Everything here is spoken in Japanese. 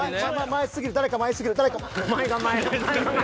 前すぎる誰か前すぎる。